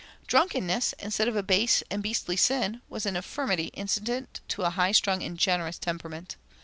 Drunkenness, instead of a base and beastly sin, was an infirmity incident to a high strung and generous temperament.